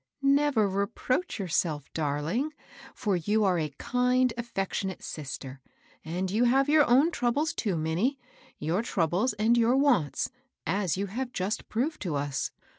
" Never reproach yourself, darling, for you are a kind, affectionate sister. Atid you have your troubles, too, Minnie, — your troubles and your wants, as you have just proved to us.